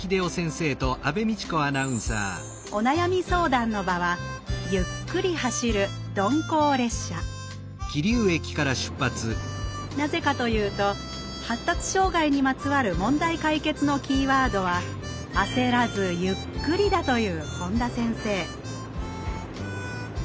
お悩み相談の場はゆっくり走る鈍行列車なぜかというと発達障害にまつわる問題解決のキーワードは「あせらずゆっくり」だという本田先生